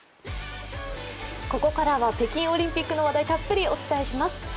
ここからは北京オリンピックの話題、たっぷりお伝えします。